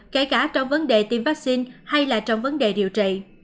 kể cả trong vấn đề tiêm vaccine hay là trong vấn đề điều trị